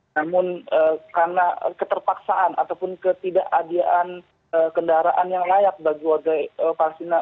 namun karena keterpaksaan ataupun ketidakadiaan kendaraan yang layak bagi warga palestina